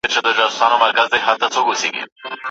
د کتاب لوستل د فکر پراختيا او د پوهې د زياتېدو سبب ګرځي.